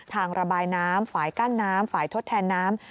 ระบายน้ำฝ่ายกั้นน้ำฝ่ายทดแทนน้ำ